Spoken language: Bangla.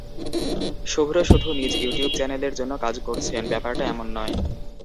শুভ্র শুধু নিজ ইউটিউব চ্যানেলের জন্য কাজ করছেন, ব্যাপারটা এমন নয়।